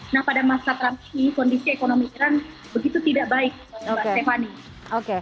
nah pada masa trump ini kondisi ekonomi iran begitu tidak baik mbak stephanie